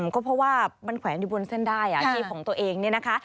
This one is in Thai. ก็เพราะว่ามันแขวนอยู่บนเส้นได้อาชีพของตัวเองเนี่ยนะคะ